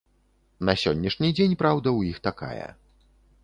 На сённяшні дзень праўда ў іх такая.